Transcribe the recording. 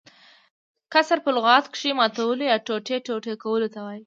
کسر په لغت کښي ماتولو يا ټوټه - ټوټه کولو ته وايي.